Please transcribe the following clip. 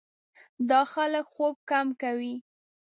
دا خلک خوب کم کوي.